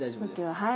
はい。